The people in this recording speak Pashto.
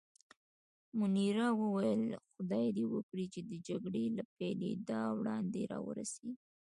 منیرا وویل: خدای دې وکړي چې د جګړې له پېلېدا وړاندې را ورسېږي.